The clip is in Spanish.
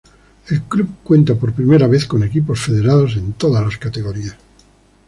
El club cuenta por primera vez con equipos federados en todas las categorías.